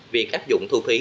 việc áp dụng thu phí